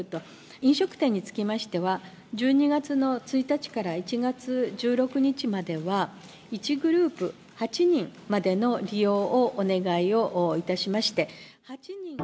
飲食店につきましては、１２月の１日から１月１６日までは、１グループ８人までの利用をお願いをいたしまして。